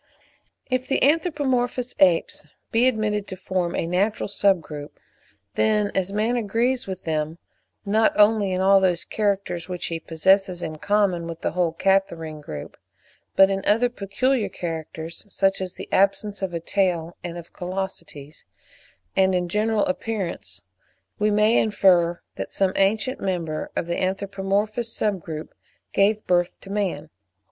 If the anthropomorphous apes be admitted to form a natural sub group, then as man agrees with them, not only in all those characters which he possesses in common with the whole Catarrhine group, but in other peculiar characters, such as the absence of a tail and of callosities, and in general appearance, we may infer that some ancient member of the anthropomorphous sub group gave birth to man.